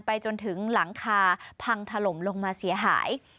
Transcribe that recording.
จนถึงหลังคาพังถล่มลงมาเสียหาย